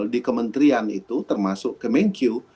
di kementerian itu termasuk kemenkyu